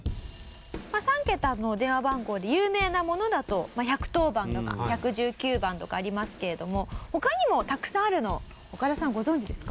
３桁の電話番号で有名なものだと１１０番とか１１９番とかありますけれども他にもたくさんあるの岡田さんご存じですか？